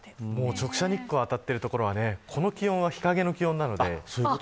直射日光当たっている所はこの気温は日陰の気温なので。